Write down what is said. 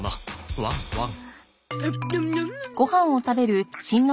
ワンワン。